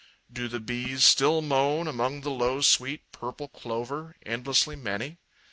Do the bees Still moan among the low sweet purple clover, Endlessly many?